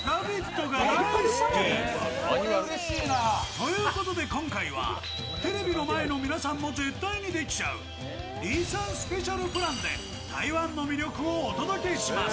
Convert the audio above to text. ということで今回はテレビの前の皆さんも絶対にできちゃう李さんスペシャルプランで台湾の魅力をお届けします。